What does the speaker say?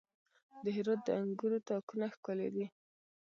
د هرات د انګورو تاکونه ښکلي دي.